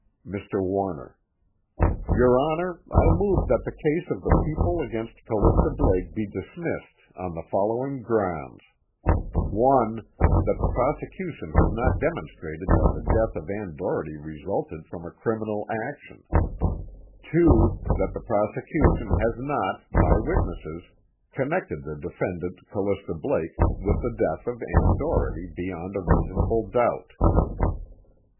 MR. WARNER: Your Honor, I move that the case of the People against Callista Blake be dismissed on the following grounds: one, that the prosecution has not demonstrated that the death of Ann Doherty resulted from a criminal action; two, that the prosecution has not, by witnesses, connected the defendant Callista Blake with the death of Ann Doherty beyond a reasonable doubt.